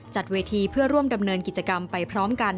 จัดเวทีเพื่อร่วมดำเนินกิจกรรมไปพร้อมกัน